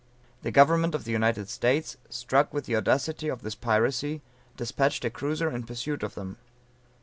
The government of the United States struck with the audacity of this piracy, despatched a cruiser in pursuit of them.